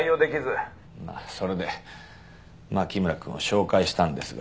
まあそれで牧村くんを紹介したんですが。